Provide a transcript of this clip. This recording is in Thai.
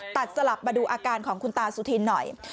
สลับมาดูอาการของคุณตาสุธินหน่อย